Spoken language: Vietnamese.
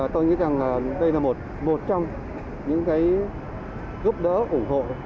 tôi nghĩ rằng đây là một trong những gúp đỡ của bệnh viện bạch mai